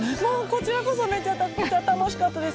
こちらこそめちゃくちゃ楽しかったです。